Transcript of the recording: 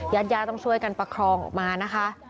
ญาติย่าต้องช่วยกันประคองออกมานะคะ